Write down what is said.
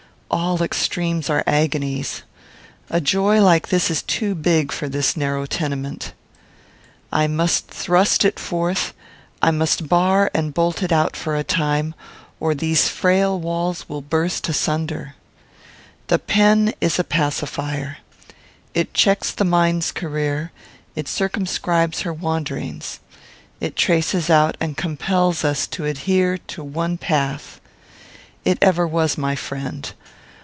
All extremes are agonies. A joy like this is too big for this narrow tenement. I must thrust it forth; I must bar and bolt it out for a time, or these frail walls will burst asunder. The pen is a pacifier. It checks the mind's career; it circumscribes her wanderings. It traces out and compels us to adhere to one path. It ever was my friend.